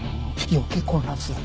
余計混乱する。